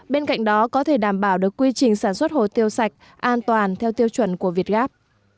bên cạnh đó có thể đảm bảo được quy trình sản xuất hồ tiêu sạch an toàn theo tiêu chuẩn của việt gáp